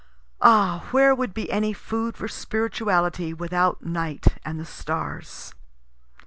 (Ah, where would be any food for spirituality without night and the stars?)